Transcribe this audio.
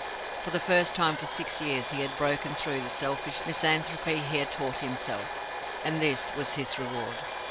For the first time for six years he had broken through the selfish misanthropy he had taught himself. And this was his reward!